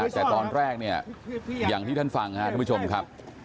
แต่ตอนแรกเนี่ยอย่างที่ท่านฟังครับท่านผู้ชมครับ